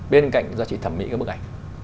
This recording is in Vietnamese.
bên cạnh giá trị thẩm mỹ của bức ảnh